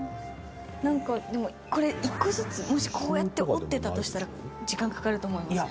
なんかでもこれ１個ずつもしこうやって織ってたとしたら時間かかると思いません？